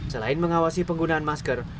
selain mengawasi penggunaan masker